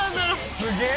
「すげえ！」